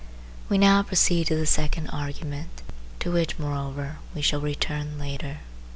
We now proceed to the second argument, to which, moreover, we shall return later.